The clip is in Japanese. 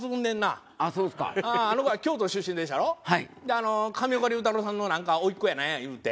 あの上岡龍太郎さんのなんか甥っ子やなんやいうて。